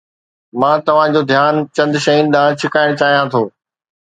مان توهان جو ڌيان چند شين ڏانهن ڇڪائڻ چاهيان ٿو.